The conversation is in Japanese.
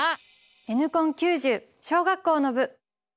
「Ｎコン９０」小学校の部！